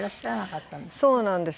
そうなんです。